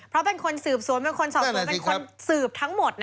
เพราะเป็นคนสืบสวนเป็นคนสอบสวนเป็นคนสืบทั้งหมด